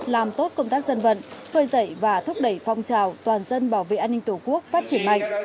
làm tốt công tác dân vận phơi dậy và thúc đẩy phong trào toàn dân bảo vệ an ninh tổ quốc phát triển mạnh